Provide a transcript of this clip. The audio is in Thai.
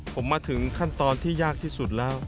ผมมาถึงขั้นตอนที่ยากที่สุดแล้ว